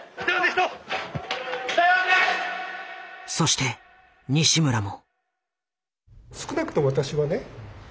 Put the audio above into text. そして西村も。